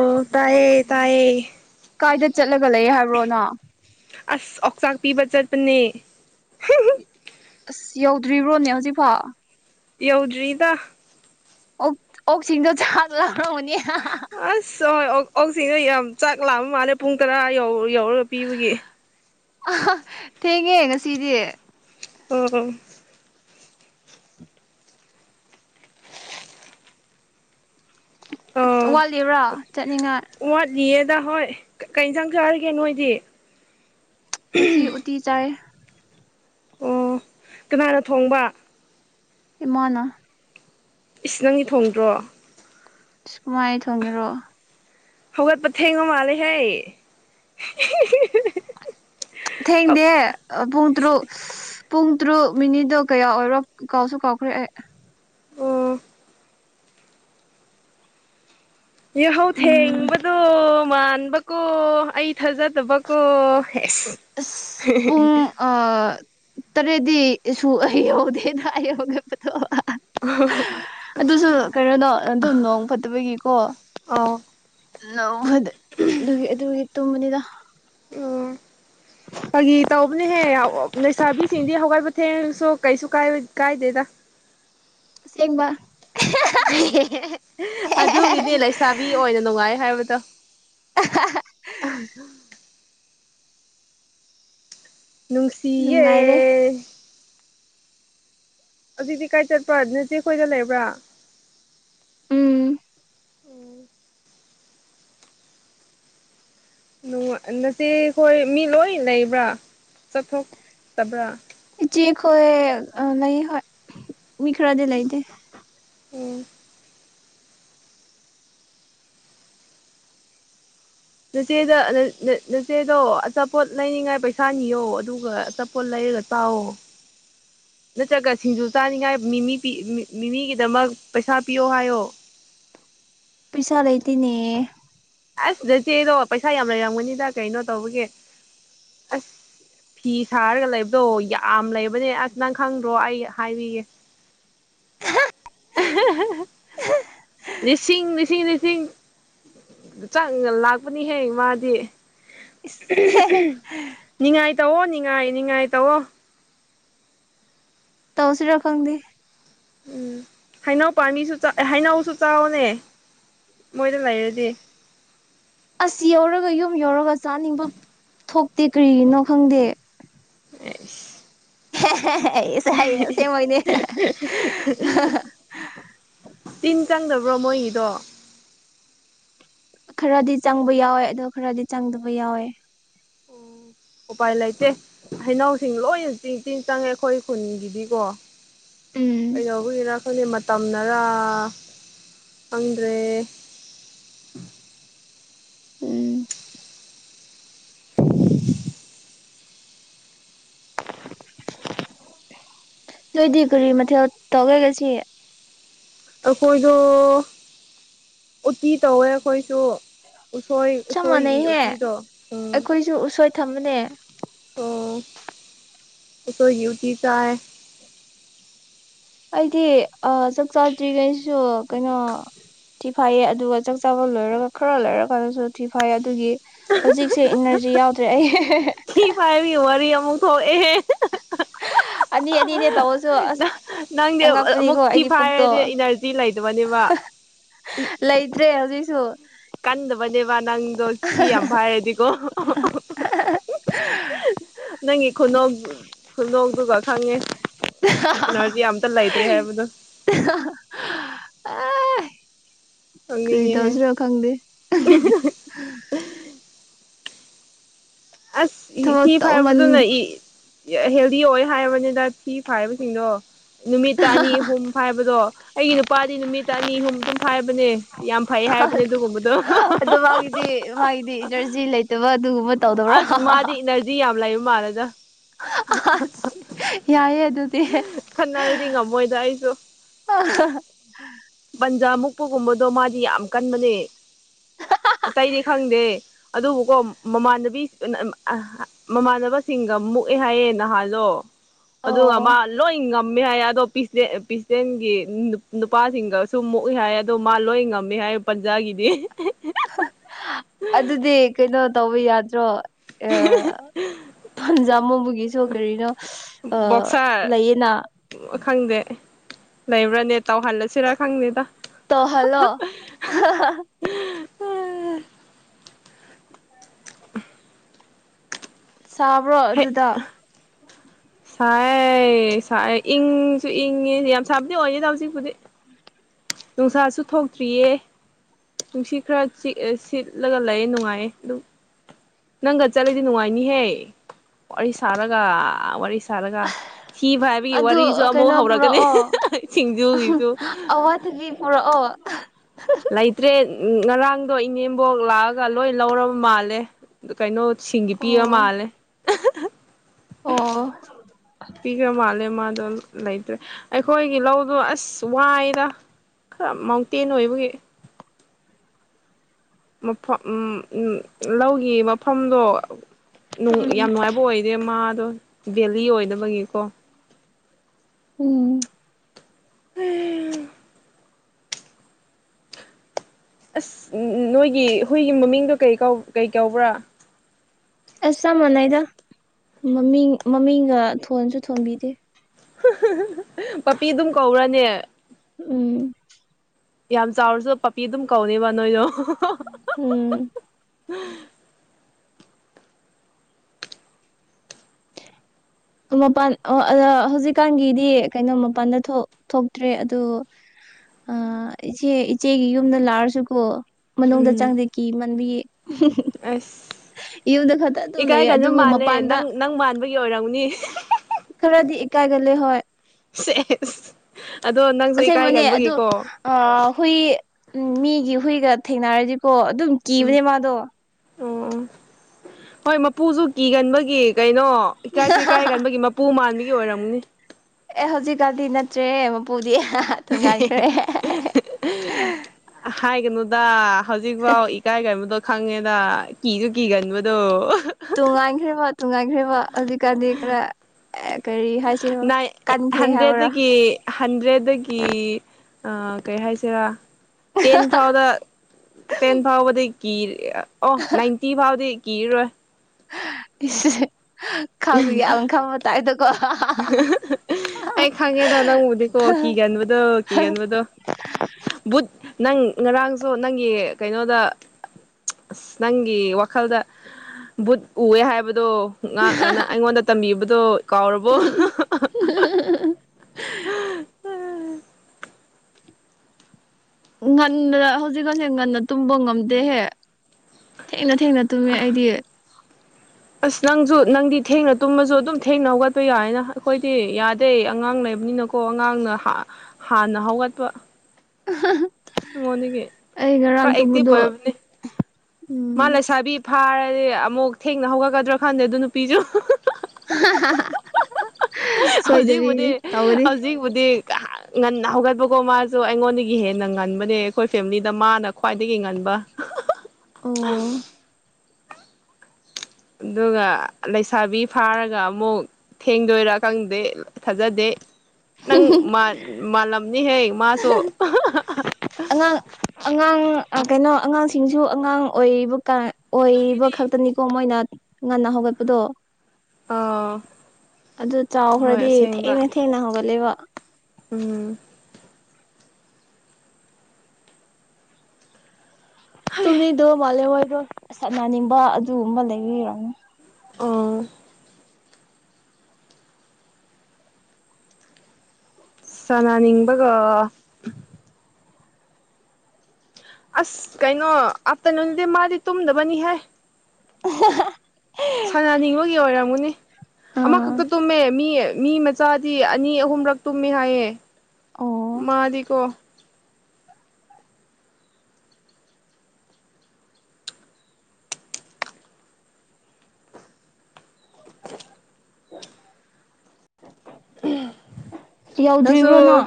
ꯑꯣ ꯇꯌꯦ ꯇꯌꯦ ꯀꯥꯏꯗ ꯆꯠꯂꯒ ꯂꯩꯑꯦ ꯍꯥꯏꯕ꯭ꯔꯣꯅ ꯑꯁ ꯑꯣꯛꯆꯥꯛ ꯄꯤꯕ ꯆꯠꯄꯅꯦ ꯑꯁ ꯌꯧꯗ꯭ꯔꯤꯕ꯭ꯔꯣꯅꯦ ꯍꯧꯖꯤꯛꯐꯥꯎ ꯌꯧꯗ꯭ꯔꯤꯗ ꯑꯣꯛ ꯑꯣꯛꯁꯤꯡꯗꯣ ꯆꯥꯛ ꯂꯥꯝꯃꯝꯃꯅꯤ ꯑꯁ ꯍꯣꯏ ꯑꯣꯛꯁꯤꯡꯗꯣ ꯌꯥꯝ ꯆꯥꯛ ꯂꯥꯝꯕ ꯃꯥꯜꯂꯦ ꯄꯨꯡ ꯇꯔꯥ ꯌꯧ ꯌꯧꯔꯒ ꯄꯤꯕꯒꯤ ꯑ ꯊꯦꯡꯉꯦ ꯉꯁꯤꯗꯤ ꯎꯝ ꯎꯝ ꯑꯣ ꯋꯥꯠꯂꯤꯕ꯭ꯔꯥ ꯆꯠꯅꯤꯡꯉꯥꯏ ꯗ ꯍꯣꯏ ꯀꯩ ꯏꯟꯁꯥꯡ ꯆꯥꯔꯒꯦ ꯅꯣꯏꯗꯤ ꯉꯁꯤ ꯎꯇꯤ ꯆꯥꯏ ꯑꯣ ꯀꯅꯥꯅ ꯊꯣꯡꯕ ꯏꯃꯥꯅ ꯏꯁ ꯅꯪꯗꯤ ꯊꯣꯡꯗ꯭ꯔꯣ ꯁ ꯀꯃꯥꯏ ꯊꯣꯡꯉꯦꯔꯣ ꯍꯧꯒꯠꯄ ꯊꯦꯡꯉ ꯃꯥꯂꯦ ꯍꯦ ꯊꯦꯡꯗꯦ ꯄꯨꯨꯡ ꯇꯔꯨꯛ ꯄꯨꯡ ꯇꯔꯨꯛ ꯃꯤꯅꯤꯠꯗꯣ ꯀꯌꯥ ꯑꯣꯏꯔꯣ ꯀꯥꯎꯁꯨ ꯀꯥꯎꯈ꯭ꯔꯦ ꯑꯦ ꯑꯣ ꯌꯥꯍꯧ ꯎꯝ ꯊꯦꯡꯕꯗꯣ ꯃꯥꯟꯕꯀꯣ ꯑꯩ ꯊꯥꯖꯗꯕꯀꯣ [inaudible] ꯇꯔꯦꯗꯤ ꯁꯨ ꯑꯩꯍꯧꯗꯦꯅ ꯑꯩꯍꯧꯒꯦꯕꯗꯣ ꯑꯗꯨꯁꯨ ꯀꯩꯅꯣꯅꯣ ꯑꯗꯨ ꯅꯣꯡ ꯐꯠꯇꯕꯒꯤꯀꯣ ꯑꯥꯎ [unintelligible] ꯑꯗꯨ ꯑꯗꯨꯒꯤ ꯇꯨꯝꯕꯅꯤꯗ ꯑꯣ ꯐꯒꯤ ꯇꯧꯕꯅꯦꯍꯦ ꯂꯩꯁꯥꯕꯤꯁꯤꯡꯗꯤ ꯍꯒꯠꯕ ꯊꯦꯡ ꯁꯣ ꯀꯩꯁꯨ ꯀꯥꯏ ꯀꯥꯏꯗꯦꯗ ꯑꯁꯦꯡꯕ ꯑꯗꯨꯒꯤꯅꯦ ꯂꯩꯁꯥꯕꯤ ꯑꯣꯏꯅ ꯅꯨꯡꯉꯥꯏ ꯍꯥꯏꯕꯗꯣ ꯑ ꯅꯨꯡꯁꯤꯌꯦ ꯅꯨꯡꯉꯥꯏꯔꯦ ꯑꯗꯨꯗꯤ ꯀꯥꯏ ꯆꯠꯄ꯭ꯔꯣ ꯑꯗꯨ ꯅꯆꯦꯈꯣꯏꯗ ꯂꯩꯕ꯭ꯔꯥ ꯎꯝ ꯑꯣ ꯅꯆꯦ ꯑꯩꯈꯣꯏ ꯃꯤ ꯂꯣꯏ ꯂꯩꯕ꯭ꯔꯥ ꯆꯠꯊꯣꯛꯇꯕ꯭ꯔꯥ ꯏꯆꯦꯈꯣꯏ ꯂꯩ ꯍꯣꯏ ꯃꯤ ꯈꯔꯗꯤ ꯂꯩꯇꯦ ꯑꯣ ꯆꯦꯗ ꯅꯆꯦꯗꯣ ꯑꯆꯥꯄꯣꯠ ꯂꯩꯅꯤꯉꯥꯏ ꯄꯩꯁꯥ ꯅꯤꯌꯣ ꯑꯗꯨꯒ ꯑꯆꯥꯄꯣꯠ ꯂꯩ [unintelligible] ꯅꯠꯇ꯭ꯔꯒ ꯁꯤꯡꯖꯨ ꯆꯥꯅꯤꯡꯉꯥꯏ ꯃꯤꯃꯤ ꯄꯤ ꯃꯤꯃꯤꯒꯤꯗꯃꯛ ꯄꯩꯁꯥ ꯄꯤꯌꯣ ꯍꯥꯏꯌꯣ [inaudible] ꯄꯩꯁꯥ ꯂꯩꯇꯦꯅꯦ ꯑꯁꯗ ꯅꯆꯦꯗꯣ ꯄꯩꯁꯥ ꯌꯥꯝ ꯂꯩꯔꯝꯒꯅꯤꯗ ꯀꯩꯅꯣ ꯇꯧꯕꯒꯤ ꯑꯁ ꯐꯤ ꯁꯥꯔꯒ ꯂꯩꯕꯗꯣ ꯌꯥꯝ ꯂꯩꯕꯅꯦ ꯑꯁ ꯅꯪ ꯈꯪꯗ꯭ꯔꯣ ꯑꯩ ꯍꯥꯏꯕꯤꯒꯦ [inaudible] ꯅꯤꯡꯁꯤꯡ ꯅꯤꯡꯁꯤꯡ ꯅꯤꯡꯁꯤꯡ ꯆꯥꯛ ꯂꯥꯛꯄꯅꯤꯍꯦ ꯃꯥꯗꯤ ꯏꯁ ꯅꯤꯡꯉꯥꯏ ꯇꯧꯑꯣ ꯅꯤꯡꯉꯥꯏ ꯅꯤꯡ ꯉꯥꯏ ꯇꯑꯣ ꯇꯧꯁꯤ ꯔꯈꯪꯗꯤ ꯎꯝ ꯍꯩꯅꯧ ꯄꯥꯅꯤꯁꯨꯥꯛ ꯍꯩꯅꯧꯁꯨ ꯆꯥꯛꯑꯣꯅꯦ ꯃꯣꯏꯗ ꯂꯩꯔꯗꯤ ꯑꯁ ꯌꯧꯔꯒ ꯌꯨꯝ ꯌꯧꯔꯒ ꯆꯥꯅꯤꯡꯕ ꯊꯣꯛꯇꯦ ꯀꯔꯤꯒꯤꯅꯣ ꯈꯪꯗꯦ ꯑꯁꯦꯡꯕꯩꯅꯦ ꯇꯤꯟ ꯆꯪꯗꯕ꯭ꯔꯣ ꯃꯣꯏꯒꯤꯗꯣ ꯈꯔꯗꯤ ꯆꯪꯕ ꯌꯥꯎꯋꯦ ꯑꯗ ꯈꯔꯗꯤ ꯆꯪꯗꯕ ꯌꯥꯎꯋꯦ ꯑꯝ ꯎꯄꯥꯏ ꯂꯩꯇꯦ ꯍꯩꯅꯧꯁꯤꯡ ꯂꯣꯏꯅ ꯆꯤꯡ ꯆꯤꯡ ꯆꯪꯉꯦ ꯑꯩꯈꯣꯏ ꯈꯨꯟꯒꯤꯗꯤꯀꯣ ꯎꯝ ꯀꯩꯗꯧꯕꯒꯤꯔꯥ ꯈꯪꯗꯦ ꯃ ꯇꯝꯅꯔꯥ ꯈꯪꯗ꯭ꯔꯦ ꯎꯝ [unintelligible] ꯂꯣꯏꯗꯤ ꯀꯔꯤ ꯃꯊꯦꯜ ꯇꯧꯒꯦ ꯀꯁꯤ ꯑꯩꯈꯣꯏꯗꯣ ꯎꯇꯤ ꯇꯧꯋꯦ ꯑꯩꯈꯣꯏꯁꯨ ꯎꯁꯣꯏ ꯆꯞ ꯎꯁꯣꯏ ꯃꯥꯟꯅꯩꯍꯦ ꯎꯇꯤꯗꯣ ꯎꯝ ꯑꯩꯈꯣꯏꯁꯨ ꯎꯁꯣꯏ ꯊꯝꯕꯅꯦ ꯑꯣ ꯎꯁꯣꯏꯒꯤ ꯏꯇꯤ ꯆꯥꯏ ꯑꯩꯗꯤ ꯆꯥꯛ ꯆꯥꯗ꯭ꯔꯤꯉꯩꯁꯨ ꯀꯩꯅꯣ ꯊꯤ ꯐꯥꯏꯌꯦ ꯑꯗꯨꯒ ꯆꯥꯛ ꯆꯥꯕ ꯂꯣꯏꯔꯒ ꯈꯔ ꯂꯩꯣꯏꯔ ꯀꯥꯟꯗꯁꯨ ꯊꯤ ꯐꯥꯏꯌꯦ ꯑꯗꯨꯒꯤ ꯍꯧꯖꯤꯛꯁꯦ ꯏꯅꯔꯖꯤ ꯌꯥꯎꯗ꯭ꯔꯦ ꯑꯩ ꯊꯤ ꯄꯥꯏ ꯋꯥꯔꯤ ꯑꯃꯨꯛ ꯊꯣꯛ ꯑꯦꯍ ꯑꯅꯤ ꯑꯅꯤꯅꯦ ꯇꯧꯁꯨ ꯑꯁ ꯅꯪꯗꯤ ꯑꯃꯨꯛ ꯑꯉꯛꯄꯅꯤꯀꯣ ꯊꯤ ꯑꯩꯒꯤ ꯄꯨꯛꯇꯣ ꯐꯥꯏꯔꯗꯤ ꯏꯅꯔꯖꯤ ꯂꯩꯇꯕꯅꯦꯕ ꯂꯩꯇ꯭ꯔꯦ ꯍꯧꯖꯤꯛꯁꯨ ꯀꯟꯗꯕꯅꯦꯕꯥ ꯅꯪꯗꯣ ꯊꯤ ꯌꯥꯝ ꯐꯥꯏꯔꯗꯤꯀꯣ ꯅꯪꯒꯤ ꯈꯨꯅꯣꯛ ꯈꯨꯅꯧꯗꯨꯒ ꯈꯪꯉꯦ ꯏꯩꯅꯣꯖꯤ ꯌꯥꯝꯇ ꯂꯩꯥꯏꯇ꯭ꯔꯦ ꯍꯥꯏꯦꯕꯗꯨ ꯑ ꯀꯔꯤ ꯇꯎ ꯁꯤꯔꯥ ꯈꯪꯗ ꯑꯁ ꯊꯕꯛ ꯊꯤ ꯇꯧꯃꯟ ꯐꯔꯕꯗꯨꯅ ꯍꯦꯜꯗꯤ ꯑꯣꯏ ꯍꯥꯏꯔꯕꯅꯤꯗ ꯊꯤ ꯐꯥꯏꯕꯁꯤꯡꯗꯣ ꯅꯨꯃꯤꯠꯇ ꯑꯅꯤ ꯑꯍꯨꯝ ꯐꯥꯏꯕꯗꯣ ꯑꯩꯒꯤ ꯅꯨꯄꯥꯗꯤ ꯅꯨꯃꯤꯠꯇ ꯑꯅꯤ ꯑꯍꯨꯝ ꯑꯗꯨꯝ ꯍꯥꯏꯕꯅꯦ ꯌꯥꯝ ꯐꯩ ꯍꯥꯏꯕꯅꯦ ꯑꯗꯨꯒꯨꯝꯕꯗꯣ ꯗꯤ ꯋꯥꯒꯤꯗꯤ ꯏꯔꯖꯤ ꯂꯩꯇꯕ ꯑꯗꯨꯒꯨꯝꯕ ꯇꯧꯗꯕ꯭ꯔꯥ ꯑꯁ ꯃꯥꯗꯤ ꯏꯅꯔꯖꯤ ꯌꯥꯝ ꯂꯩꯕ ꯃꯥꯜꯂꯗ ꯑꯁ ꯌꯥꯏꯌꯦ ꯑꯗꯨꯗꯤ ꯈꯠꯅꯔꯗꯤ ꯉꯝꯃꯣꯏꯗ ꯑꯩꯁꯨ ꯁꯟꯖꯥ ꯃꯨꯛꯄꯒꯨꯝꯕꯗꯣ ꯃꯥꯗꯤ ꯌꯥꯝ ꯀꯟꯕꯅꯦ ꯑꯇꯩꯗꯤ ꯈꯪꯗꯦ ꯑꯗꯨꯕꯨꯀꯣ ꯃꯃꯥꯟꯅꯕꯤ ꯃꯃꯥꯟꯅꯕꯁꯤꯡꯒ ꯃꯨꯛꯑꯦ ꯍꯥꯏꯌꯦꯦ ꯅꯍꯥꯟꯗꯣ ꯑꯣ ꯑꯗꯨꯒ ꯃ ꯂꯣꯏ ꯉꯥꯝ ꯉꯝꯃꯦ ꯍꯥꯏ ꯑꯗꯣ ꯄ ꯄꯤꯁꯗꯦꯟꯒꯤ ꯅꯨꯄꯥꯁꯤꯡꯒꯁꯨ ꯃꯨꯛꯏ ꯍꯥꯏ ꯑꯗꯣ ꯃꯥ ꯂꯣꯏ ꯉꯝꯃꯤ ꯍꯥꯏ ꯌꯥ ꯄꯟꯖꯒꯤꯗꯦ ꯑꯗꯨꯗꯤ ꯀꯩꯅꯣ ꯇꯧꯕ ꯌꯥꯗ꯭ꯔꯣ ꯑ ꯄꯟꯖꯥ ꯃꯣꯕꯨꯒꯤꯁꯨ ꯀꯔꯤꯅꯣ ꯑ ꯕꯣꯛꯁꯔ ꯂꯩꯌꯦꯅꯥ ꯈꯪꯗꯦ ꯂꯩꯕ꯭ꯔꯥꯅꯦ ꯇꯧꯍꯜꯂꯁꯤꯔ ꯈꯪꯅꯤꯦꯗ ꯇꯧꯍꯜꯂꯣ [unintelligible] ꯇꯕꯔꯣ ꯑꯗꯨꯗ ꯁꯥꯏꯑꯦ ꯁꯥꯑꯦ ꯏꯪꯁꯨ ꯏꯪꯉꯤ ꯌꯥꯝ ꯁꯥꯕꯗꯤ ꯑꯣꯏꯗꯦꯗ ꯍꯧꯖꯤꯛꯄꯨꯗꯤ ꯅꯨꯡꯁꯥꯁꯨ ꯊꯣꯛꯇ꯭ꯔꯤꯌꯦ ꯅꯨꯡꯁꯤꯠ ꯈꯔ ꯆꯤꯛꯑ ꯁꯤꯠꯂꯒ ꯂꯩꯑ ꯅꯨꯡꯉꯥꯏꯌꯦ ꯑꯗꯨꯝ ꯅꯪꯒ ꯆꯠꯂꯗꯤ ꯅꯨꯡꯉꯥꯏꯅꯤꯍꯦ ꯋꯥꯔꯤ ꯁꯥꯔꯒ ꯋꯥꯔꯤ ꯁꯥꯔꯒ ꯊꯤ ꯐꯥꯏꯕꯒꯤ ꯑꯗꯨ ꯋꯥꯔꯤꯁꯨ ꯑꯃꯨꯛ ꯀꯩꯅꯣ ꯍꯧꯔꯛꯀꯅꯤ ꯄꯨꯔꯛꯑꯣ ꯁꯤꯡꯖꯨꯒꯤꯁꯨ ꯊꯕꯤ ꯄꯨꯔꯛꯑꯣ ꯎꯪ ꯉꯔꯥꯡꯗꯣ ꯏꯅꯦꯝꯕꯣꯛ ꯂꯥꯛꯑꯒ ꯂꯣꯏ ꯂꯧꯔꯕ ꯃꯥꯜꯂꯦ ꯀꯩꯅꯣ ꯁꯤꯡꯒꯤ ꯄꯤꯕ ꯃꯥꯜꯂꯦ ꯑꯣꯑꯣ ꯄꯤꯈ꯭ꯔ ꯃꯥꯜꯂꯦ ꯃꯥꯗꯣ ꯂꯩꯇ꯭ꯔꯦ ꯑꯩꯈꯣꯏꯒꯤ ꯂꯧꯗꯣ ꯑꯁ ꯑꯁ ꯋꯥꯏꯗ ꯈꯔ ꯃꯥꯎꯟꯇꯦꯟ ꯑꯣꯏꯕꯒꯤ ꯃꯐꯝ ꯎꯝ ꯎꯝ ꯂꯧꯒꯤ ꯃꯐꯝꯗꯣ ꯎꯝ ꯌꯥꯝ ꯅꯨꯡꯉꯥꯏꯕ ꯑꯣꯏꯗꯦ ꯃꯥꯗꯣ ꯗꯦꯜꯂꯤ ꯑꯣꯏꯗꯕꯒꯤ ꯀꯣ ꯎꯝ [unintelligible] ꯑꯁ ꯅꯣꯏꯒꯤ ꯍꯨꯏꯒꯤ ꯃꯃꯤꯡꯗꯣ ꯀꯩ ꯀꯧ ꯀꯩ ꯀꯧꯕ꯭ꯔꯥ ꯑꯁ ꯆꯞ ꯃꯥꯟꯅꯩꯗ ꯃꯃꯤꯡ ꯃꯃꯤꯡꯒ ꯊꯣꯟꯁꯨ ꯊꯣꯟꯕꯤꯗꯦ ꯄꯥꯄꯤ ꯑꯗꯨꯝ ꯀꯧꯔꯅꯦ ꯎꯝ ꯌꯥꯝ ꯆꯥꯎꯔꯁꯨ ꯄꯞꯄꯤ ꯑꯗꯨꯝ ꯀꯧꯅꯤꯕ ꯅꯣꯏꯗꯣ ꯎꯝ [unintelligible] ꯃꯄꯥꯟ ꯑꯣ ꯍꯧꯖꯤꯛꯀꯥꯟꯒꯤꯗꯤ ꯀꯩꯅꯣ ꯃꯄꯥꯟꯗ ꯊꯣꯛ ꯊꯣꯛꯇ꯭ꯔꯦ ꯑꯗꯨ ꯑ ꯏꯆꯦ ꯏꯆꯦꯒꯤ ꯌꯨꯝꯗ ꯂꯥꯔꯁꯨꯀꯣ ꯃꯅꯨꯡꯗ ꯎꯝ ꯆꯪꯗꯦ ꯀꯤꯃꯟꯕꯒꯤ ꯑꯁ ꯈꯛꯇ ꯑꯗꯨꯝ ꯂꯩꯌꯦ ꯏꯀꯥꯏꯒꯟꯕ ꯑꯗꯨꯕꯨ ꯃꯥꯜꯂꯦ ꯃꯄꯥꯟꯗ ꯅꯪ ꯅꯪ ꯃꯥꯟꯕꯒꯤ ꯑꯣꯏꯔꯝ ꯎꯅꯤ ꯈꯔꯗꯤ ꯏꯀꯥꯏꯒꯜꯂꯦ ꯍꯣꯏ ꯁꯦꯖ ꯑꯁꯦꯡꯕꯅꯦ ꯑꯗꯣ ꯑ ꯍꯨꯏ ꯃꯤꯒꯤ ꯍꯨꯏꯒ ꯊꯦꯡꯅꯔꯗꯤꯀꯣ ꯑꯗꯨꯝ ꯎꯝ ꯀꯤꯕꯅꯦ ꯃꯥꯗꯣ ꯑꯣ ꯑꯣ ꯍꯣꯏ ꯃꯄꯨꯁꯨ ꯀꯤꯒꯟꯕꯒꯤ ꯀꯩ ꯅꯣ ꯏꯀꯥꯏꯁꯨ ꯏꯀꯥꯏꯒꯟꯕꯒꯤ ꯃꯄꯨ ꯃꯥꯟꯕꯒꯤ ꯑꯣꯏꯔꯝꯅꯤ ꯄꯨꯗꯤ ꯊꯣꯡꯉꯥꯟꯈ꯭ꯔꯦ ꯍꯥꯏꯒꯅꯨꯗ ꯍꯧꯖꯤꯛꯐꯥꯎ ꯏꯀꯥꯏꯒꯟꯕꯗꯣ ꯈꯪꯉꯦꯗ ꯀꯤꯁꯨ ꯀꯤꯒꯟꯕꯗꯣ ꯇꯣꯡꯉꯥꯟꯈ꯭ꯔꯦꯕ ꯇꯨꯡꯉꯥꯟꯈ꯭ꯔꯦꯕ ꯍꯧꯖꯤꯛꯀꯥꯟꯗꯤ ꯈꯔ ꯀꯔꯤ ꯍꯥꯏꯁꯤꯔꯣ ꯅꯥꯏꯟ ꯀꯟꯈ꯭ꯔꯦ ꯍꯥꯏꯕ꯭ꯔꯥ ꯍꯟꯗ꯭ꯔꯦꯠꯇꯒꯤ ꯍꯟꯗ꯭ꯔꯦꯠꯗꯒꯤ ꯑ ꯀꯩ ꯍꯥꯏꯁꯤꯔꯥ ꯇꯦꯟ ꯐꯥꯎꯗ ꯇꯦꯟ ꯐꯥꯎꯕꯗꯤ ꯀꯤ ꯑꯣ ꯅꯥꯏꯟꯇꯤ ꯐꯥꯎꯕꯗꯤ ꯀꯤꯔꯔꯣꯏ ꯏꯁ ꯏꯁ ꯈꯥꯎ ꯌꯥꯝ ꯈꯪꯕ ꯇꯥꯏꯞꯇꯀꯣ ꯑꯩ ꯈꯪꯉꯦꯗ ꯅꯪꯕꯨꯗꯤꯀꯣ ꯀꯤꯒꯟꯕꯗꯣ ꯀꯤꯒꯟꯕꯗꯣ ꯕꯨꯠ ꯅꯪ ꯉꯔꯥꯡꯁꯨ ꯅꯪꯒꯤ ꯀꯩꯅꯣꯗ ꯑꯁ ꯅꯪꯒꯤ ꯋꯥꯈꯜꯗ ꯕꯨꯠ ꯎꯋꯦ ꯍꯥꯏꯕ ꯗꯣ ꯉꯥꯛ ꯑ ꯅ ꯑꯩꯉꯣꯟꯗ ꯇꯝꯕꯤꯕꯗꯣ ꯀꯥꯎꯔꯕꯣ ꯉꯟꯅ ꯍꯧꯖꯤꯛꯀꯥꯟꯁꯦ ꯉꯟꯅ ꯇꯨꯝꯕ ꯉꯝꯗꯦꯍꯦ ꯊꯦꯡꯅ ꯊꯦꯡꯅ ꯇꯨꯝꯃꯦ ꯑꯩꯗꯤ ꯑꯁ ꯅꯪꯁꯨ ꯅꯪꯗꯤ ꯊꯦꯡꯅ ꯇꯨꯝꯃꯁꯨ ꯑꯗꯨꯝ ꯊꯦꯡꯅ ꯍꯧꯒꯠꯄ ꯌꯥꯏꯅ ꯑꯈꯣꯏꯗꯤ ꯌꯥꯗꯦ ꯑꯉꯥꯡ ꯂꯩ ꯕꯅꯤꯅꯀꯣ ꯑꯉꯥꯡꯅ ꯍꯥꯟꯅ ꯍꯧꯒꯠꯄ ꯑꯩꯉꯣꯟꯗꯒꯤ ꯑꯩ ꯄꯨꯔꯥ ꯉꯔꯥꯡ ꯑꯦꯛꯇꯤꯚ ꯇꯨꯝꯕꯗꯣ ꯑꯣꯏꯕꯅꯤ ꯃꯥ ꯎꯝ ꯂꯩꯁꯥꯕꯤ ꯐꯥꯔꯗꯤ ꯑꯃꯨꯛ ꯊꯦꯡꯅ ꯍꯧꯒꯠꯀꯗ꯭ꯔ ꯈꯪꯗꯦ ꯑꯗꯨ ꯅꯨꯄꯤꯖꯨ ꯍꯧꯖꯤꯛꯄꯨꯗꯤ ꯁꯣꯏꯗꯕꯤꯅꯦ ꯇꯧꯅꯤ ꯍꯧꯖꯤꯛꯄꯨꯗꯤ ꯉꯟꯅ ꯍꯧꯒꯠꯄꯀꯣ ꯃꯥꯁꯨ ꯑꯩꯉꯣꯟꯗꯒꯤ ꯍꯦꯟꯅ ꯉꯟꯕꯅꯦ ꯑꯩꯈꯣꯏ ꯐꯦꯃꯤꯂꯤꯗ ꯃꯥꯅ ꯈ꯭ꯋꯥꯏꯗꯒꯤ ꯉꯟꯕ [inaudible] ꯑꯣ ꯑꯗꯨꯒ ꯂꯩꯁꯥꯕꯤ ꯐꯥꯔꯒ ꯑꯃꯨꯛ ꯊꯦꯡꯗꯣꯏꯔꯥ ꯈꯪꯗꯦ ꯊꯥꯖꯗꯦ ꯅꯪ ꯃꯥꯜ ꯃꯥꯜꯂꯝꯅꯤꯍ‌ꯦ ꯃꯥꯁꯨ ꯑꯉꯥꯡ ꯑꯉꯥꯡ ꯀꯩꯅꯣ ꯑꯉꯥꯡꯁꯤꯡꯁꯨ ꯑꯉꯥꯡ ꯑꯣꯏꯔꯤꯕ ꯀꯥꯟ ꯑꯣꯏꯕ ꯈꯛꯇꯅꯤꯀꯣ ꯃꯣꯏꯅ ꯉꯟꯅ ꯍꯧꯒꯠꯄꯗꯣ ꯑ‌ꯣ ꯑꯗꯨ ꯆꯥꯎꯈ꯭ꯔꯗꯤ ꯊꯦꯡꯅ ꯊꯦꯡꯅ ꯍꯧꯒꯠꯂꯦꯕ ꯎꯝ ꯇꯨꯝꯂꯤꯗꯣ ꯃꯥꯜꯂ‌ꯦ ꯃꯥꯁꯥ ꯅꯥꯟꯅꯤꯡꯕ ꯑꯗꯨꯒꯨꯝꯕ ꯂꯩꯕꯩ ꯑꯣꯏꯔꯝꯅꯤ ꯑ‌ꯣ ꯁꯅꯥꯅꯤꯡꯕꯒ ꯑꯁ ꯀꯩꯅꯣ ꯑꯥꯞꯇ꯭ꯔꯅꯨꯟꯗꯤ ꯃꯥꯗꯤ ꯇꯨꯝꯗꯕꯅꯤꯍ‌ꯦ [inaudible] ꯑꯍꯥꯍꯥ ꯁꯥꯟꯅꯅꯤꯡꯕꯒꯤ ꯑꯣꯏꯔꯝꯒꯅꯤ ꯑꯥ ꯑꯃꯈꯛꯇ ꯇꯨꯝꯃꯦ ꯃꯤ ꯃꯤ ꯃꯆꯥꯗꯤ ꯑꯅꯤ ꯑꯍꯨꯝꯔꯛ ꯇꯨꯝꯃꯤ ꯍꯥꯏꯌꯦ ꯑꯣ ꯃꯥꯗꯤꯀꯣ ꯅꯪꯁꯨ ꯌꯧꯗ꯭ꯔꯤꯕ꯭ꯔꯣ ꯅꯪ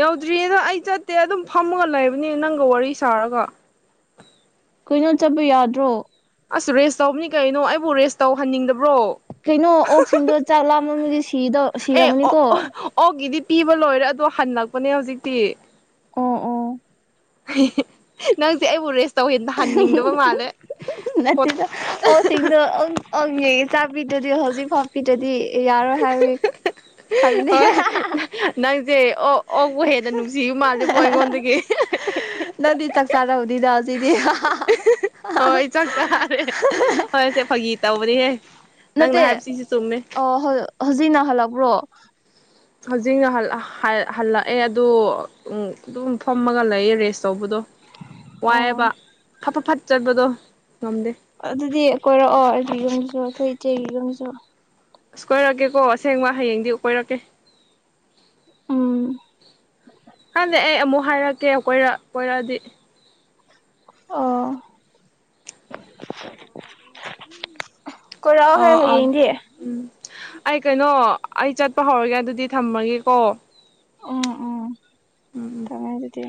ꯌꯧꯗ꯭ꯔꯤꯌꯦꯗ ꯑꯩ ꯆꯠꯇꯦ ꯑꯗꯨꯝ ꯐꯝꯃꯒ ꯂꯩꯕꯅꯤ ꯅꯪꯒ ꯋꯥꯔꯤ ꯁꯥꯔꯒ ꯀꯩꯅꯣ ꯆꯠꯄ ꯌꯥꯗ꯭ꯔꯣ ꯑꯁ ꯔꯦꯁ ꯇꯧꯕꯅꯤ ꯀꯩꯅꯣ ꯑꯩꯕꯨ ꯔꯦꯁ ꯇꯧꯍꯟꯅꯤꯡꯗꯕ ꯀꯩꯅꯣ ꯑꯣꯛꯁꯤꯡꯗꯣ ꯆꯥꯛ ꯂꯥꯝꯕꯗ ꯑꯦ ꯑꯣ ꯁꯤꯔꯝꯃꯅꯤꯀꯣ ꯑꯣꯛꯒꯤꯗꯤ ꯄꯤꯕ ꯂꯣꯏꯔꯦ ꯑꯗꯣ ꯍꯜꯂꯛꯄꯅꯦ ꯍꯧꯖꯤꯛꯇꯤ ꯑꯣ ꯑꯣ ꯅꯪꯁꯦ ꯑꯩꯕꯨ ꯔꯦꯁ ꯇꯧꯍꯟꯅꯤꯡꯗꯕ ꯃꯥꯜꯂꯦ ꯅꯠꯇ‌ꯦꯗ ꯑꯣꯛꯡꯁꯤꯗ‌ꯣ ꯑꯪ ꯅ‌ꯦ ꯆꯥꯛꯕꯤꯗ꯭ꯔꯗꯤ ꯍꯧꯖꯤꯛ ꯐꯥꯎ ꯄꯤꯗ꯭ꯔꯗꯤ ꯌꯥꯔꯣꯏ ꯍꯥꯏꯌ‌ꯦ ꯍꯣꯏ ꯅ ꯅꯪ ꯆꯦ ꯑꯣ ꯑꯣꯛꯄꯨ ꯍꯦꯟꯅ ꯅꯨꯡꯁꯤꯕ ꯃꯥꯜꯂꯦꯕꯣ ꯑꯩꯉꯣꯟꯗꯒꯤ ꯅꯪꯗꯤ ꯆꯥꯛ ꯆꯥꯔꯥꯕꯅꯤꯗ ꯉꯁꯤꯗꯤ ꯍꯣꯏ ꯆꯥꯛ ꯆꯥꯔꯦ ꯍꯣꯏꯁꯦ ꯐꯒꯤ ꯇ‌ꯧꯕꯅꯤꯍ‌ꯦ ꯅꯠꯇꯦ ꯑ‌ꯣ ꯍꯧꯖꯤꯛ ꯅꯪ ꯍꯜꯂꯛꯄ꯭ꯔꯣ ꯍꯧꯖꯤꯛꯅ ꯍꯜꯂꯛꯑꯦ ꯑꯗꯣ ꯑꯗꯨꯝ ꯐꯝꯃꯒ ꯂꯩꯑꯦ ꯔꯦꯁ ꯇꯧꯕꯗꯣ ꯋꯥꯏꯑꯦꯕꯥ ꯑꯣ ꯐꯠꯐꯠ ꯐꯠ ꯆꯠꯄꯗꯣ ꯉꯝꯗꯦ ꯑꯗꯨꯗꯤ ꯀꯣꯏꯔꯛꯑꯣ ꯑꯩꯒꯤ ꯌꯨꯝꯁꯨ ꯑꯩꯈꯣꯏ ꯏꯆꯦꯒꯤ ꯌꯨꯝꯁꯨ ꯑꯁ ꯀꯣꯏꯔꯛꯀꯦꯀꯣ ꯑꯁꯦꯡꯕ ꯍꯌꯦꯡꯗꯤ ꯀꯣꯏꯔꯛꯀꯦ ꯎꯝ ꯈꯪꯗ‌ꯦ ꯑꯩ ꯑꯃꯨꯛ ꯍꯥꯏꯔꯛꯀꯦ ꯀꯣꯏꯔꯛ ꯀꯣꯏꯔꯛꯑꯗꯤ ꯑꯣ ꯀꯣꯏꯔꯛꯑꯣꯍꯦ ꯑꯥ ꯑꯥ ꯍꯌꯦꯡꯗꯤ ꯎꯝ ꯑꯩ ꯀꯩꯅꯣ ꯑꯩ ꯆꯠꯄ ꯍꯧꯔꯒꯦ ꯑꯗꯨꯗꯤ ꯊꯝꯃꯒꯦꯀꯣ ꯎꯝ ꯎꯝ ꯊꯝꯃ‌ꯦ ꯑꯗꯨꯗꯤ